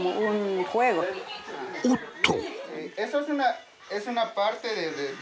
おっと！